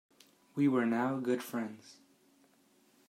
We were now good friends.